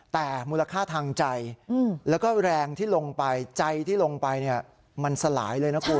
แต่มูลค่าทางใจแล้วก็แรงที่ลงไปใจที่ลงไปเนี่ยมันสลายเลยนะคุณ